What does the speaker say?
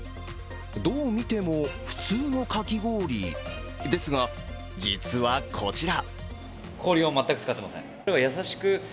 どう見ても普通のかき氷ですが、実はこちら。